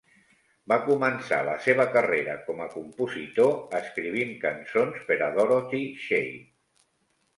Va començar la seva carrera com a compositor escrivint cançons per a Dorothy Shay.